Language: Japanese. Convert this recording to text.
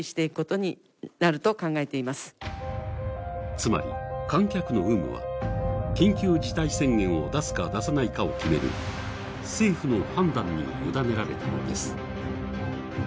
つまり、観客の有無は緊急事態宣言を出すか出さないかを決める政府の判断に委ねられたのです。